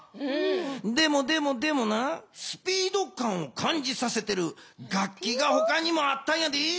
でもでもでもなスピード感を感じさせてる楽器がほかにもあったんやで！